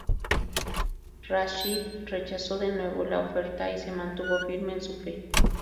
Rashid rechazó de nuevo la oferta y se mantuvo firme en su fe.